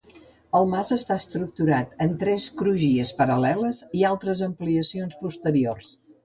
El mas està estructurat en tres crugies paral·leles i altres ampliacions posteriors.